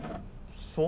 そう？